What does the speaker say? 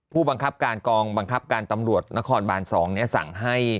ผู้บังคับการกองบังคับการตำรวจนครบาน๒สั่งให้